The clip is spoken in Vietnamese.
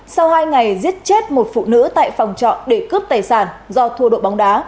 sau hai ngày giết chết một phụ nữ tại phòng trọ để cướp tài sản do thua độ bóng đá